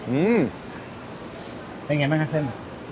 อืมเป็นไงบ้างคะเส้น